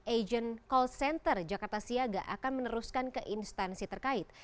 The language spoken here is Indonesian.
agent call center jakarta siaga akan meneruskan ke instansi terkait